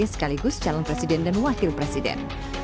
sekaligus calon presiden dan wakil presiden